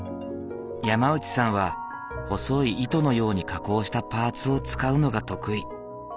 山内さんは細い糸のように加工したパーツを使うのが得意。